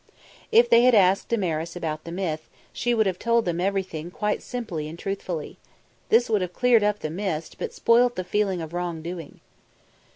If they had asked Damaris about the myth, she would have told them everything quite simply and truthfully. This would have cleared up the mist but spoilt the feeling of wrong doing.